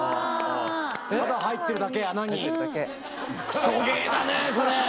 クソゲーだねそれ！